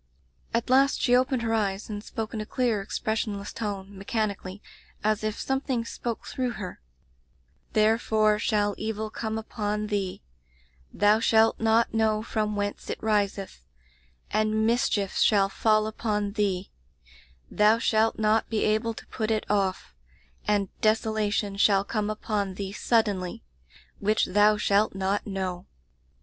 "At last she opened her eyes and spoke in a clear, expressionless tone, mechanically, as if something spoke through her: '' Therefore shall evil come upon thee; thou shalt not know from whence it riseth: and mischief shall fall upon thee; thou shalt not be able to put it off; and desolation shall come upon thee suddenly^ which thou shalt not know.'